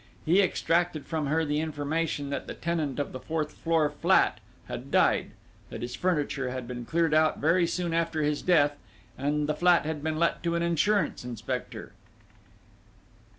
He extracted from her the information that the tenant of the fourth floor flat had died, that his furniture had been cleared out very soon after his death, and the flat had been let to an insurance inspector....